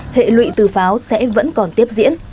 hệ lụy từ pháo sẽ vẫn còn tiếp diễn